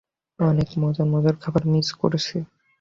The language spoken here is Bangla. অনেক মজার মজার খাবার মিস করছি।